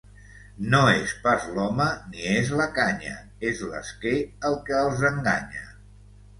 No és pas l'home, ni és la canya; és l'esquer el que els enganya.